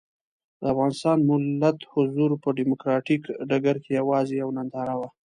د افغانستان ملت حضور په ډیموکراتیک ډګر کې یوازې یوه ننداره وه.